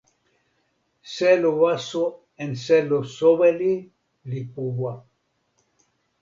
selo waso en selo soweli li puwa.